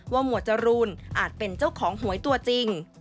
หมวดจรูนอาจเป็นเจ้าของหวยตัวจริง